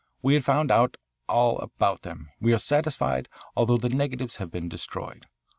We have found out all about them; we are satisfied, although the negatives have been destroyed.